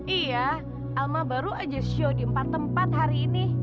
iya alma baru aja show di empat tempat hari ini